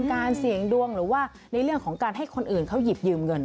การเสี่ยงดวงหรือว่าในเรื่องของการให้คนอื่นเขาหยิบยืมเงิน